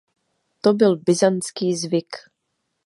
To byl Byzantský zvyk.